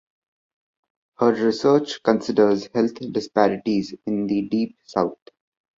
Her research considers health disparities in the Deep South.